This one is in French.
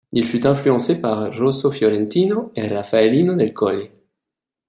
Il fut influencé par Rosso Fiorentino et Raffaellino del Colle.